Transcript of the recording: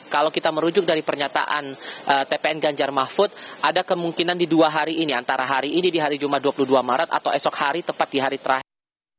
kalau kita merujuk dari pernyataan tpn ganjar mahfud ada kemungkinan di dua hari ini antara hari ini di hari jumat dua puluh dua maret atau esok hari tepat di hari terakhir